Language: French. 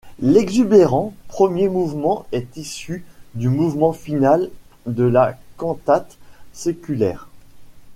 L’exubérant premier mouvement est issu du mouvement final de la cantate séculaire.